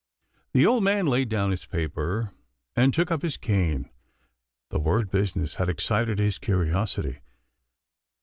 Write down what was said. The old man laid down his paper, and took up his cane. The word " business" had excited his curi osity.